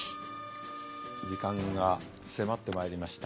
時間が迫ってまいりました。